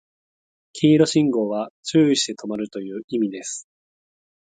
黄色信号は注意して止まるという意味です